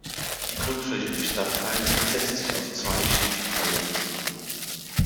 Die Grundfläche des Stadtteils setzt sich aus zwei schiefen Dreiecken zusammen.